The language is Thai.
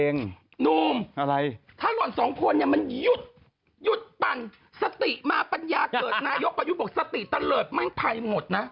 นุ่มถ้าหล่อนสองคนมันหยุดปั่นสติมาปัญญาเกิดนายก็หยุดบอกสติตะเลิศมันไปหมดนะ